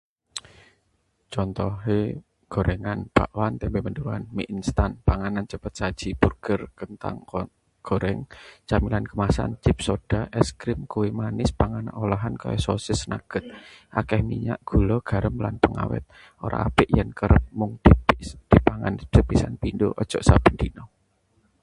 Contone: gorengan bakwan, tempe mendoan, mi instan, panganan cepet saji burger, kentang goreng, cemilan kemasan chips, soda, es krim, kue manis, panganan olahan kaya sosis utawa nugget. Akeh minyak, gula, garam, lan pengawet; ora apik yen kerep. Mung dipangan sapisan-pindho, aja sampeyan saben dina.